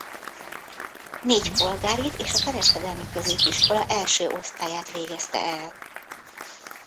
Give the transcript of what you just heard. Négy polgárit és a kereskedelmi középiskola első osztályát végezte el.